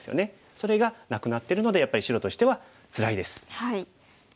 それがなくなってるのでやっぱり白としてはつらいです。